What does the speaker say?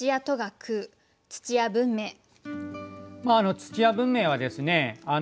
土屋文明はですね